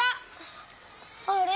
あれ？